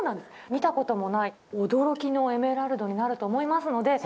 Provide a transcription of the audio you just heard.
見たこともない驚きのエメラルドになると思いますので。